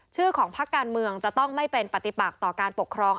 ชื่อของพักการเมืองจะต้องไม่เป็นปฏิปักต่อการปกครอง